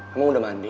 kamu udah mandi